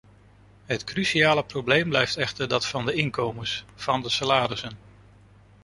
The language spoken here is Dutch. Het cruciale probleem blijft echter dat van de inkomens, van de salarissen.